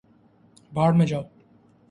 بھاڑ میں جاؤ